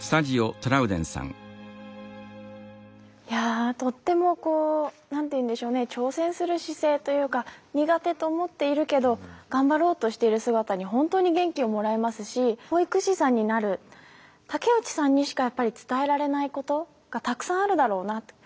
いやとってもこう何て言うんでしょうね挑戦する姿勢というか苦手と思っているけど頑張ろうとしている姿に本当に元気をもらえますし保育士さんになる竹内さんにしかやっぱり伝えられないことがたくさんあるだろうな。